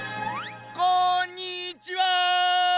こんにちは！